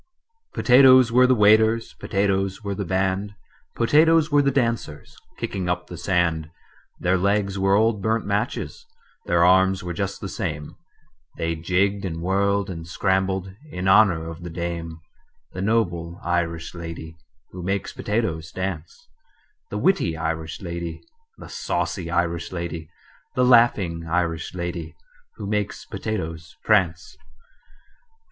"Potatoes were the waiters, Potatoes were the band, Potatoes were the dancers Kicking up the sand: Their legs were old burnt matches, Their arms were just the same, They jigged and whirled and scrambled In honor of the dame: The noble Irish lady Who makes potatoes dance, The witty Irish lady, The saucy Irish lady, The laughing Irish lady Who makes potatoes prance.